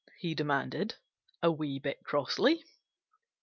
he demanded a wee bit crossly.